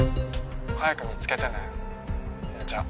☎早く見つけてねじゃっ